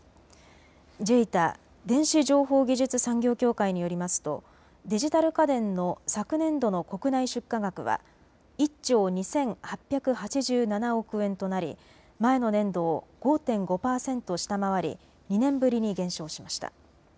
ＪＥＩＴＡ・電子情報技術産業協会によりますとデジタル家電の昨年度の国内出荷額は１兆２８８７億円となり前の年度を５．５％下回り２年ぶりに減少しました。